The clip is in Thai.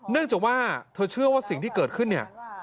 เนื่องจากว่าเธอเชื่อว่าสิ่งที่เกิดขึ้นเนี่ย